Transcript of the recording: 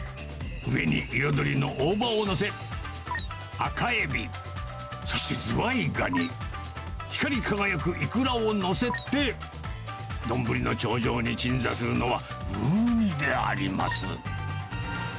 上に彩りの大葉を載せ、赤エビ、そしてズワイガニ、光り輝くイクラを載せて、丼の頂上に鎮座するのはウニであります。